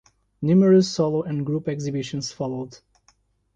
Numerous solo and group exhibitions followed.